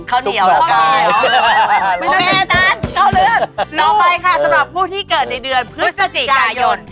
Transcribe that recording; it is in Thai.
อีกหน่อยค่ะสำหรับผู้ที่เกิดในเดือนพฤศจิกายน